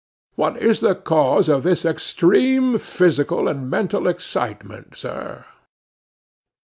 What is the cause of this extreme physical and mental excitement, sir?